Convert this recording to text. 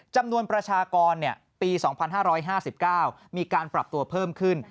จำนวนประชากรปี๒๕๕๙มีการปรับตัวเพิ่มขึ้น